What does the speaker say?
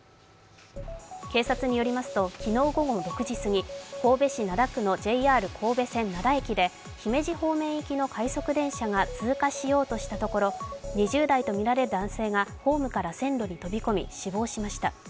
警察によりますと、昨日午後６時過ぎ、神戸市灘区のＪＲ神戸線灘駅で姫路方面行きの快速電車が通過しようとしたところ２０代とみられる男性がホームから線路に飛び込み死亡しました。